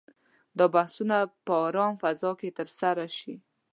دا بحثونه په آرامه فضا کې ترسره شي.